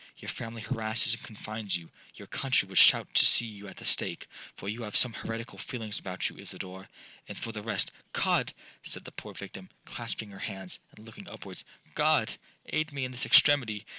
—your family harasses and confines you—your country would shout to see you at the stake, for you have some heretical feelings about you, Isidora. And for the rest'—'God!' said the poor victim, clasping her hands, and looking upwards, 'God, aid me in this extremity!'